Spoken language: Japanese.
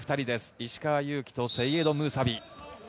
石川祐希とセイエド・ムーサビ。